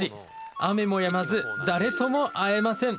雨もやまず誰とも会えません。